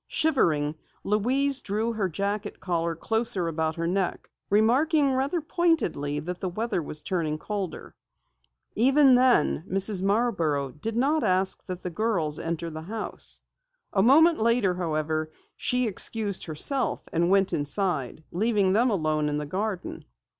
Shivering, Louise drew her jacket collar closer about her neck, remarking rather pointedly that the weather was turning colder. Even then, Mrs. Marborough did not suggest that the girls enter the house. A moment later, however, she excused herself and went inside, leaving them alone in the garden.